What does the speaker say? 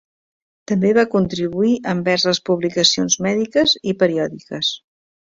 També va contribuir envers les publicacions mèdiques i periòdiques.